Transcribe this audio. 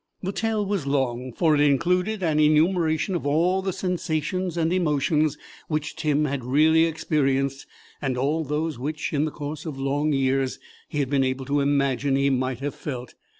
The tale was long, for it included an enumeration of all the sensations and emotions which Tim had really experienced, and all those which, in the course of long years, he had been able to imagine he might have felt.